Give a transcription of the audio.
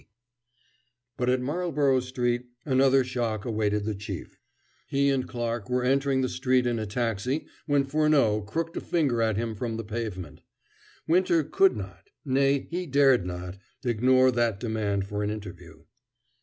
D. But at Marlborough Street another shock awaited the Chief. He and Clarke were entering the street in a taxi when Furneaux crooked a finger at him from the pavement. Winter could not, nay, he dared not, ignore that demand for an interview.